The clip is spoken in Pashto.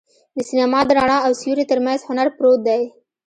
د سینما د رڼا او سیوري تر منځ هنر پروت دی.